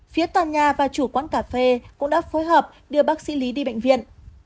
phía tòa nhà và chủ quán cà phê cũng đã phối hợp đưa bác sĩ lý đi bệnh viện